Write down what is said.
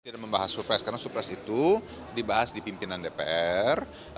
tidak membahas surprise karena surprise itu dibahas di pimpinan dpr